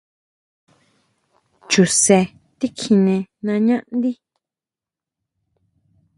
Chu sen tikjine nañá ndí.